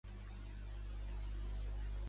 Redman va néixer a Kitchener, Ontario.